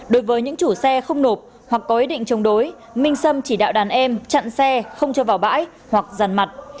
đối với những chủ xe không nộp hoặc có ý định chống đối minh sâm chỉ đạo đàn em chặn xe không cho vào bãi hoặc dàn mặt